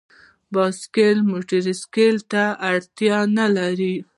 بایسکل موټرسایکل ته اړتیا نه لري.